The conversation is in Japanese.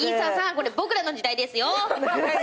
これ『ボクらの時代』ですよ。